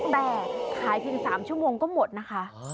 แต่ขายเพียง๓ชั่วโมงก็หมดนะคะ